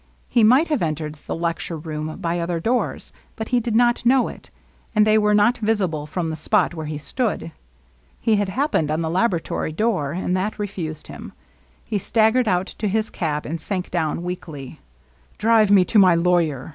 He might have entered the lecture room by other doors, but he did not know it ; and they were not visible from the spot where he stood. He had happened on the labora tory door, and that refused him. He staggered out to his cab, and sank down weakly. " Drive me to my lawyer